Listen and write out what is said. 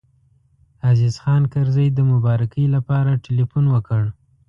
عزیز خان کرزی د مبارکۍ لپاره تیلفون وکړ.